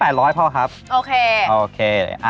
อ่าเชฟ๘๐๐พอครับโอเค